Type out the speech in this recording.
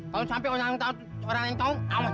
kalo sampe orang tau orang yang tau awan lo